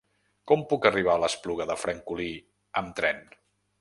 Com puc arribar a l'Espluga de Francolí amb tren?